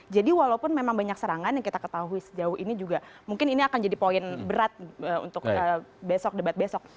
jadi walaupun memang banyak serangan yang kita ketahui sejauh ini juga mungkin ini akan jadi poin berat untuk besok debat besok